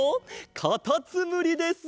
かたつむりです！